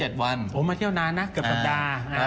ผมมาเที่ยวนานนะเกือบสัปดาห์